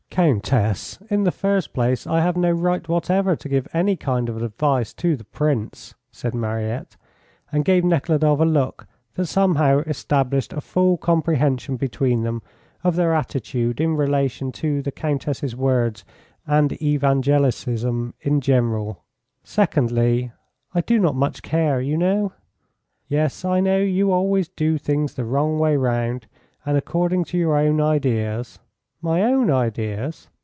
"Countess, in the first place, I have no right whatever to give any kind of advice to the Prince," said Mariette, and gave Nekhludoff a look that somehow established a full comprehension between them of their attitude in relation to the Countess's words and evangelicalism in general. "Secondly, I do not much care, you know." "Yes, I know you always do things the wrong way round, and according to your own ideas." "My own ideas?